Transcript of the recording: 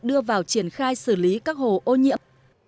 đưa vào triển khai xử lý các hồ ô nhiễm